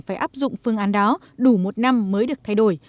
các khách hàng phải áp dụng phương án đó đủ một năm mới được thay đổi